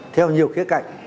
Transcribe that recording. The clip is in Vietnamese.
theo nhiều khía cạnh